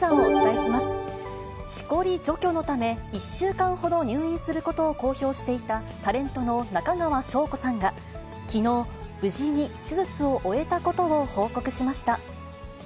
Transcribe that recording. しこり除去のため、１週間ほど入院することを公表していたタレントの中川翔子さんが、きのう、無事に手術を終えたことを報告しました。